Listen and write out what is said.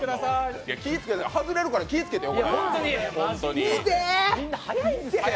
外れるから気をつけてよ。